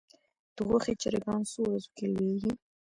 د غوښې چرګان څو ورځو کې لویږي؟